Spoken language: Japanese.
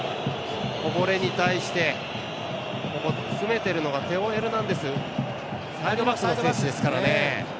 こぼれに対して詰めてるのがテオ・エルナンデスサイドバックの選手ですからね。